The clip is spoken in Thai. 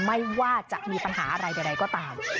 ไม่ว่าจะมีปัญหาอะไรใดก็ตาม